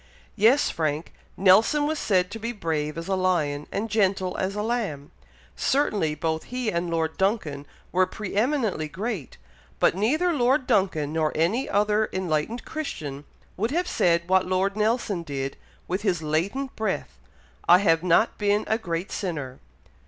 '" "Yes, Frank! Nelson was said to be 'brave as a lion, and gentle as a lamb.' Certainly both he and Lord Duncan were pre eminently great; but neither Lord Duncan, nor any other enlightened Christian, would have said what Lord Nelson did, with his latent breath 'I have not been a great sinner!'